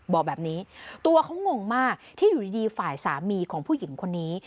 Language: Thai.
บอกแบบนี้ตัวเขางงมากที่อยู่ดีฝ่ายสามีของผู้หญิงคนนี้